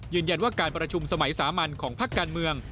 ยืนยันว่าการประชุมสมัยสามัญของภาคการเมือง